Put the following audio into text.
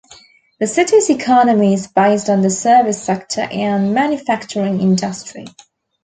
The city's economy is based on the service sector and manufacturing industry.